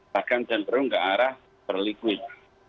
bahkan cenderung ke arah berlikuid